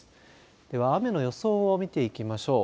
では雨の予想を見ていきましょう。